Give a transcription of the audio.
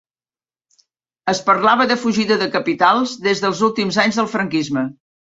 Es parlava de fugida de capitals des dels últims anys del franquisme.